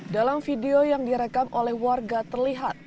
dalam video yang direkam oleh warga terlihat